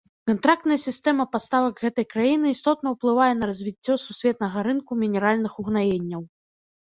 Кантрактная сістэма паставак гэтай краіны істотна ўплывае на развіццё сусветнага рынку мінеральных угнаенняў.